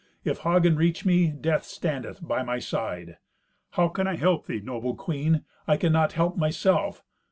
If Hagen reach me, death standeth by my side." "How can I help thee, noble queen? I cannot help myself.